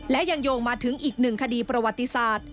และยังโยงมาถึงอีกหนึ่งคดีประวัติศาสตร์